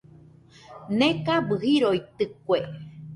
Nekabɨ jiroitɨkue.